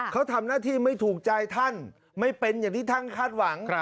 เขาทำหน้าที่ไม่ถูกใจท่านไม่เป็นอย่างที่ท่านคาดหวัง